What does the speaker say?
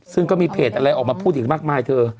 ซึ่งก็มีเพจอะไรออกมาพูดอีกมากมายเธอ